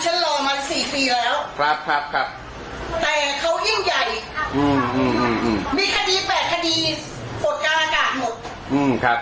อันนี้ไม่เกินยี่สิทธิวันทุกช่องมาหมดเลยฮือครับ